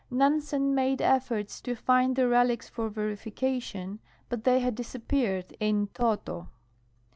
Nansen made efforts to find the relics for verification, but they had disa])])eared in toto.